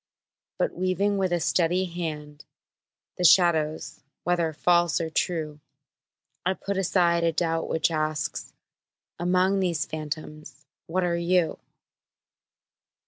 But weaving with a steady hand The shadows, whether false or true, I put aside a doubt which asks "Among these phantoms what are you?"